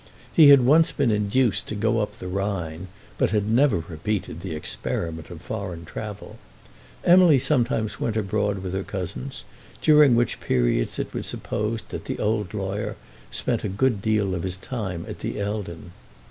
He had once been induced to go up the Rhine, but had never repeated the experiment of foreign travel. Emily sometimes went abroad with her cousins, during which periods it was supposed that the old lawyer spent a good deal of his time at the Eldon.